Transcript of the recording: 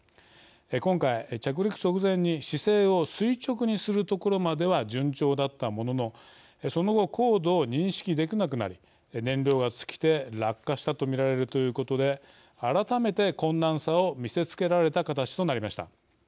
今回、着陸直前に姿勢を垂直にするところまでは順調だったもののその後、高度を認識できなくなり燃料が尽きて落下したと見られるということで改めて困難さを見せつけられた形となりました。